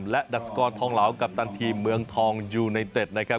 และดัสกรทองเหลากัปตันทีมเมืองทองยูไนเต็ดนะครับ